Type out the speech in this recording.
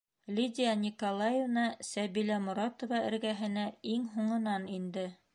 Лидия Николаевна Сәбилә Моратова эргәһенә иң һуңынан инде.